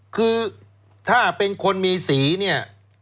คือถ้าเป็นคนมีสีเนี่ย